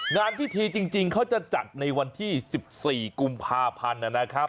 งานพิธีจริงเขาจะจัดในวันที่๑๔กุมภาพันธ์นะครับ